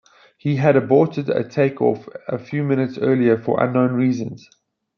He had aborted a take off a few minutes earlier for unknown reasons.